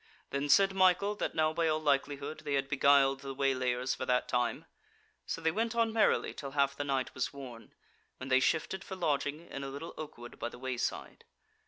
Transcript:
Then said Michael that now by all likelihood they had beguiled the waylayers for that time; so they went on merrily till half the night was worn, when they shifted for lodging in a little oak wood by the wayside.